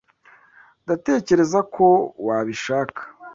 Ndatekereza ko wabishaka.